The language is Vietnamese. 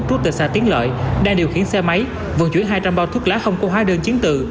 trút từ xã tiến lợi đang điều khiển xe máy vận chuyển hai trăm linh bao thuốc lá không có hóa đường chiếm từ